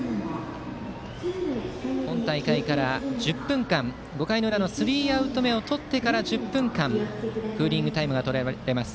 本大会から１０分間５回の裏のスリーアウト目をとってからクーリングタイムがあります。